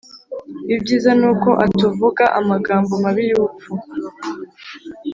Ibyiza ni uko atuvuga amagambo mabi y’ubupfu